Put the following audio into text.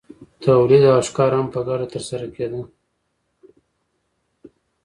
تولید او ښکار هم په ګډه ترسره کیده.